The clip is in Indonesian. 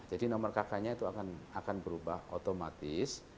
jadi nomor kk nya itu akan berubah otomatis